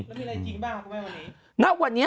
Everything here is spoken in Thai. แล้วมีอะไรจริงบ้างครับว่าวันนี้